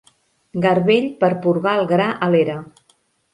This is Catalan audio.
Garbell per porgar el gra a l'era.